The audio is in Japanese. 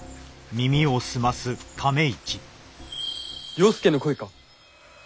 了助の声か？